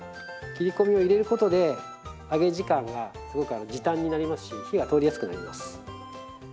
切り込みを入れることで揚げ時間がすごく時短になりますし火が通りやすくなります。